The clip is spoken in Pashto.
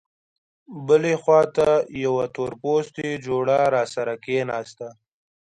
بلې خوا ته یوه تورپوستې جوړه راسره کېناسته.